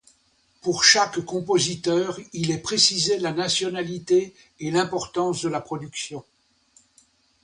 Pour chaque compositeur, il est précisé la nationalité et l'importance de la production.